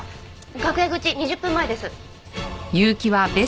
楽屋口２０分前です。